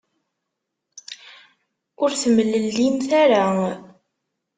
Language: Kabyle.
Ur temlellimt ara.